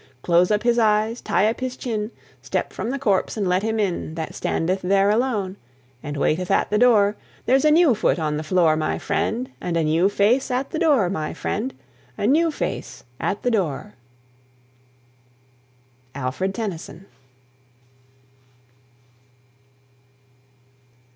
Close up his eyes: tie up his chin: Step from the corpse, and let him in That standeth there alone, And waiteth at the door. There's a new foot on the floor, my friend, And a new face at the door, my friend, A new face at the door. ALFRED TENNYSON.